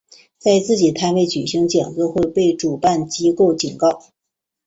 在自己摊位举行讲座会被主办机构警告。